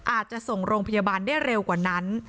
อาจจะส่งโรงพยาบาลได้เร็วกว่านั้น